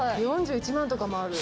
４１万とかもある。